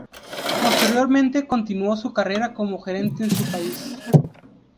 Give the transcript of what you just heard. Posteriormente continuó su carrera como gerente en su país.